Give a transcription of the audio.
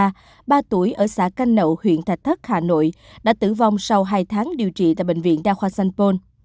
ngọc a ba tuổi ở xã canh nậu huyện thạch thất hà nội đã tử vong sau hai tháng điều trị tại bệnh viện đa khoa sân pôn